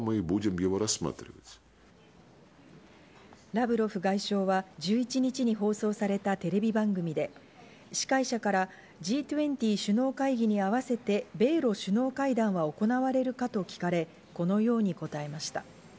ラブロフ外相は１１日に放送されたテレビ番組で、司会者からＧ２０首脳会議に合わせて米露首脳会談は行われるかと聞かれ、このように答えました。